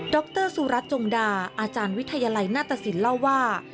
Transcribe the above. รสุรัตนจงดาอาจารย์วิทยาลัยหน้าตสินเล่าว่า